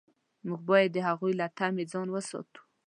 موږ باید د هغوی له طمع ځان وساتو.